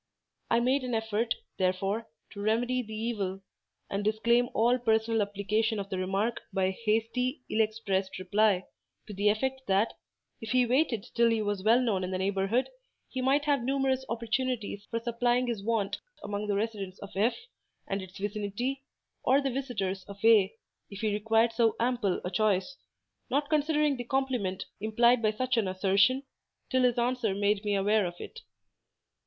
I made an effort, therefore, to remedy the evil, and disclaim all personal application of the remark by a hasty, ill expressed reply, to the effect that, if he waited till he was well known in the neighbourhood, he might have numerous opportunities for supplying his want among the residents of F—— and its vicinity, or the visitors of A——, if he required so ample a choice: not considering the compliment implied by such an assertion, till his answer made me aware of it.